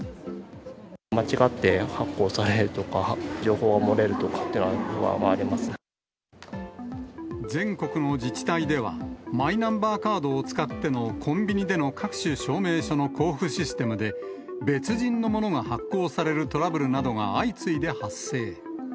間違って発行されるとか、情報が漏れるとかっていう不安は全国の自治体では、マイナンバーカードを使ってのコンビニでの各種証明書の交付システムで、別人のものが発行されるトラブルなどが相次いで発生。